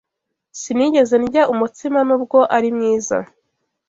Sinigeze ndya umutsima nubwo ari mwiza